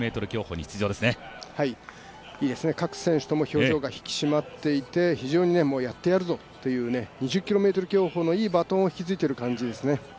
いいですね、各選手ともに表情が引き締まっていて非常に、やってやるぞという２０ｋｍ競歩のいいバトンを引き継いでいる感じですね。